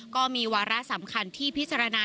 ก็มีวาระสำคัญที่พิจารณา